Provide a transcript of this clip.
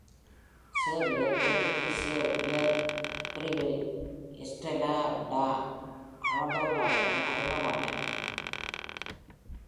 Xavier போர்த்துகீசிய உயர் பிரிவில் எஸ்ட்ரெலா டா அமடோராவுடன் அறிமுகமானார்.